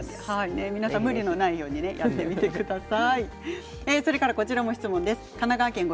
皆さん、無理のないようにやってみてください。